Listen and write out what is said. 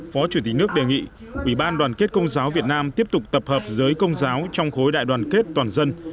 phó chủ tịch nước đề nghị ủy ban đoàn kết công giáo việt nam tiếp tục tập hợp giới công giáo trong khối đại đoàn kết toàn dân